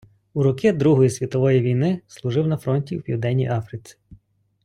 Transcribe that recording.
У роки Другої світової війни служив на фронті в Південній Африці.